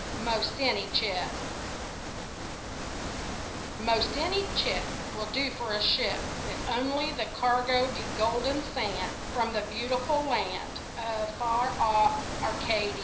'MOST ANY CHIP 'Most any chip Will do for a ship, If only the cargo be Golden sand From the beautiful land Of far off Arcady.